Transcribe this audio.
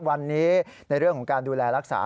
วันนี้ในเรื่องของการดูแลรักษา